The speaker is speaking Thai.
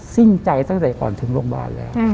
สิ้นใจตั้งแต่ก่อนถึงโรงพยาบาลแล้ว